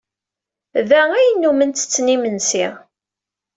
Da ay nnummen ttetten imensi.